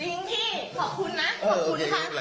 น้าสาวของน้าผู้ต้องหาเป็นยังไงไปดูนะครับ